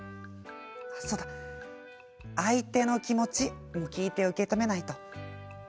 そうだ、相手の気持ちも聞いて受け止めないと。